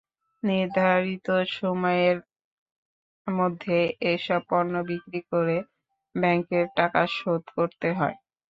নির্ধারিত সময়ের মধ্যে এসব পণ্য বিক্রি করে ব্যাংকের টাকা শোধ করতে হয়।